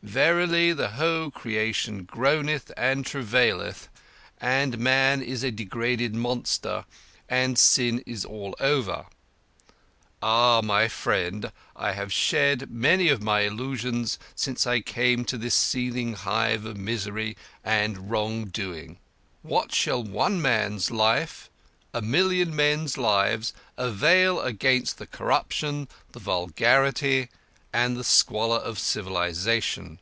Verily the whole creation groaneth and travaileth, and man is a degraded monster, and sin is over all. Ah, my friend, I have shed many of my illusions since I came to this seething hive of misery and wrongdoing. What shall one man's life a million men's lives avail against the corruption, the vulgarity, and the squalor of civilisation?